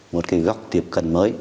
một cái góc tiếp cận mới